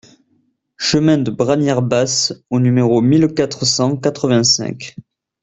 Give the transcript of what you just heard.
Chemin de Bragnères Basses au numéro mille quatre cent quatre-vingt-cinq